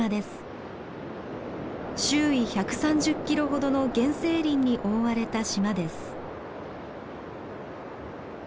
周囲１３０キロほどの原生林に覆われた島です。